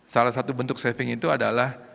salah satu bentuk saving itu adalah